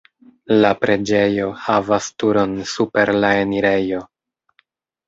La preĝejo havas turon super la enirejo.